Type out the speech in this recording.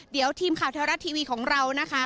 เดี๋ยวทีมข่าวเทวรัฐทีวีของเรานะคะ